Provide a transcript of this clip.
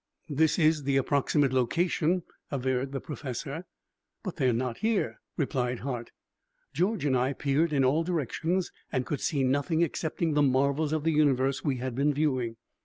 "This is the approximate location," averred the professor. "But they are not here," replied Hart. George and I peered in all directions and could see nothing excepting the marvels of the universe we had been viewing.